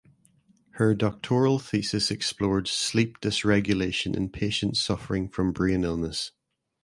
Her doctoral thesis explored sleep dysregulation in patients suffering from brain illness.